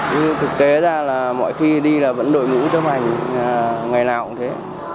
nhưng thực tế ra là mọi khi đi là vẫn đội ngũ chấp hành ngày nào cũng thế